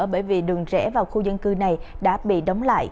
bởi vì đường rẽ vào khu dân cư này đã bị đóng lại